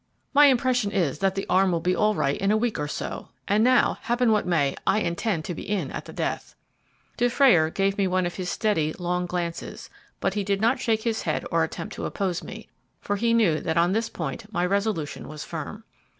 My impression is that the arm will be all right in a week or so; and now, happen what may, I intend to be in at the death." Dufrayer gave me one of his steady, long glances, but he did not shake his head or attempt to oppose me, for he knew that on this point my resolution was firm.